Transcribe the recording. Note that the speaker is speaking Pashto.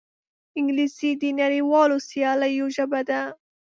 انګلیسي د نړیوالو سیالیو ژبه ده